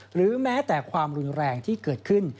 หรือแม้แต่ความรุนแรงที่เกิดขึ้น